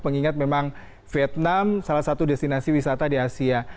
mengingat memang vietnam salah satu destinasi wisata di asia